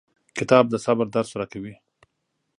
کتاب د صبر درس راکوي.